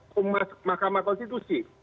humas mahkamah konstitusi